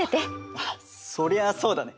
あっそりゃあそうだね。